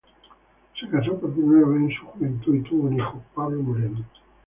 Se casó por primera vez en su juventud y tuvo un hijo, Pablo Moreno.